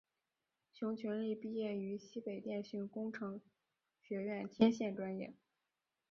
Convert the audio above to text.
熊群力毕业于西北电讯工程学院天线专业。